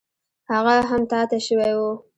هغه هم تا ته شوی و.